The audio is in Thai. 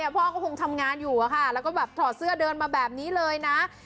พ่อก็คงทำงานอยู่แล้วก็แบบถอดเสื้อเดินมาแบบนี้เลยนะ